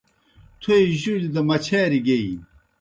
تھوئے جُولیْ دہ مچھاریْ گیئنیْ۔